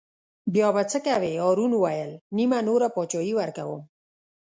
بیا به څه کوې هارون وویل: نیمه نوره بادشاهي ورکووم.